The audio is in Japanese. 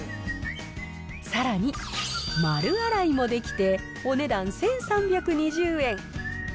さらに、丸洗いもできて、お値段１３２０円。